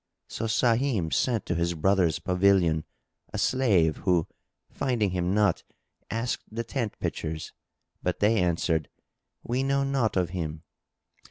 So Sahim sent to his brother's pavilion a slave who, finding him not, asked the tent pitchers,[FN#7] but they answered, "We know naught of him."